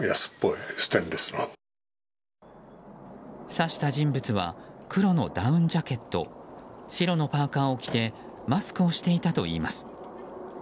刺した人物は黒のダウンジャケット白のパーカを着てマスクをしていたといいます。